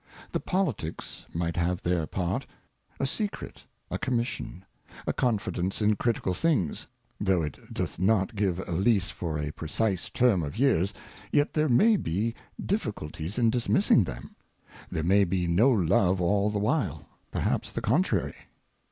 The Politicks might have their part ; a Secret, a Com mission, a Confidence in critical Things, though it doth not give a Lease for a precise term of Years, yet there may be Diffi culties in dismissing them ; there may be no Love all the while ; perhaps the contrary.